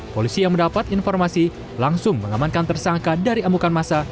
polisi yang mendapat informasi langsung mengamankan tersangka dari amukan masa